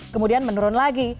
kemudian menurun lagi